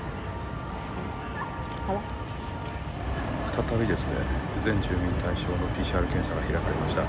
再び全住民対象のＰＣＲ検査が開かれました。